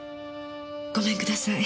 ごめんください。